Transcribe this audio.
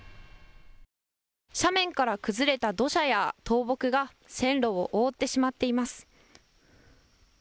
斜面から崩れた土砂や倒木が線路を覆ってしまっています。